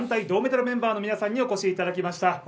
銅メダルメンバーの皆さんに来ていただきました。